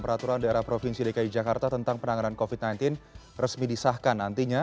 peraturan daerah provinsi dki jakarta tentang penanganan covid sembilan belas resmi disahkan nantinya